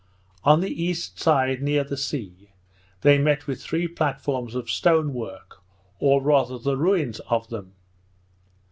On the east side, near the sea, they met with three platforms of stone work, or rather the ruins of them.